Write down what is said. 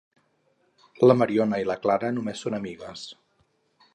La Mariona i la Clara només són amigues.